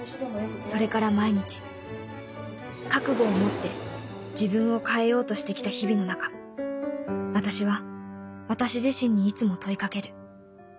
それから毎日覚悟を持って自分を変えようとしてきた日々の中私は私自身にいつも問いかける